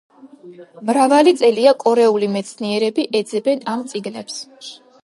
მრავალი წელია კორეელი მეცნიერები ეძებენ ამ წიგნებს.